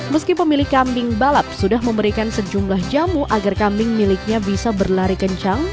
meski pemilik kambing balap sudah memberikan sejumlah jamu agar kambing miliknya bisa berlari kencang